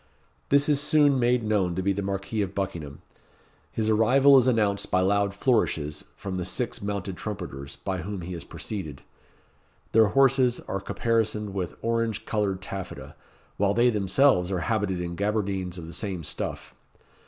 This is soon made known to be the Marquis of Buckingham. His arrival is announced by loud flourishes from the six mounted trumpeters by whom he is preceded. Their horses are caparisoned with orange coloured taffeta, while they themselves are habited in gaberdines of the same stuff.